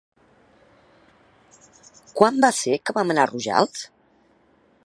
Quan va ser que vam anar a Rojals?